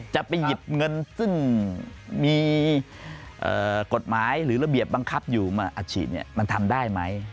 จะไปหยิบเงินซึ่งมีกฎหมายหรือระเบียบบังคับอยู่มาอัดฉีดมันทำได้ไหม